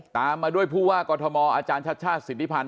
ตามมาด้วยผู้ว่ากอทมอาจารย์ชาติชาติสิทธิพันธ